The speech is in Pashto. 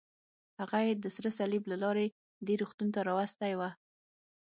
هغه یې د سره صلیب له لارې دې روغتون ته راوستی و.